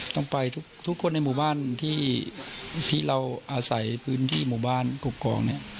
ต้องไปทุกคนในหมู่บ้านที่เราอาศัยพื้นที่หมู่บ้านกกอกเนี่ย